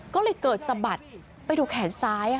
ก็เลยเกิดสะบัดไปดูแขนซ้าย